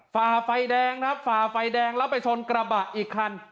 ฝ่าไฟแดงครับฝ่าไฟแดงแล้วไปชนกระบะอีกคัน